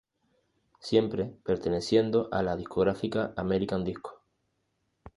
Siempre perteneciendo a la discográfica American Disco.